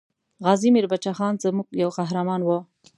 غازي میر بچه خان زموږ یو قهرمان وو.